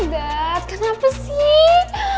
dad kenapa sih